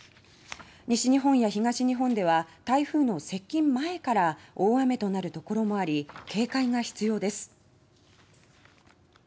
西日本や東日本では台風の接近前から大雨となる所もあり警戒が必要です。